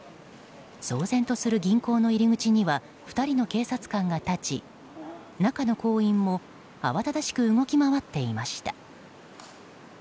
騒然とする銀行の入り口には２人の警察官が立ち中の行員も慌ただしく動き回っていました。